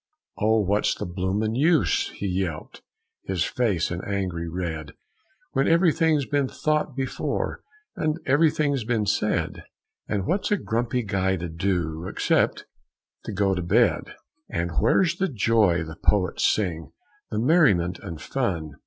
"Oh, what's the blooming use?" he yelped, his face an angry red, "When everything's been thought before and everything's been said? And what's a Grumpy Guy to do except to go to bed? "And where's the joy the poets sing, the merriment and fun?